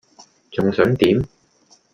仲想點?